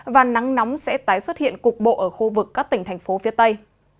và nắng nóng sẽ tái xuất hiện cục bộ ở khu vực các tỉnh thành phố phía tây